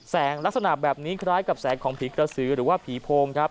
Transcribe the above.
ลักษณะแบบนี้คล้ายกับแสงของผีกระสือหรือว่าผีโพงครับ